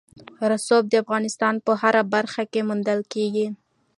رسوب د افغانستان په هره برخه کې موندل کېږي.